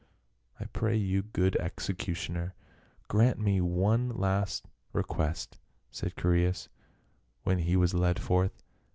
" I pray you good executioner, grant me one last 220 PA UL. request," said Chaereas when he was led forth.